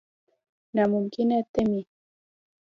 نا ممکنه تمې.